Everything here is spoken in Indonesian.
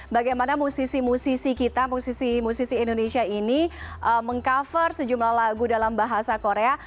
bagaimana musisi musisi kita musisi musisi indonesia ini meng cover sejumlah lagu dalam bahasa korea